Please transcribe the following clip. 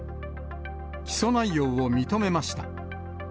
起訴内容を認めました。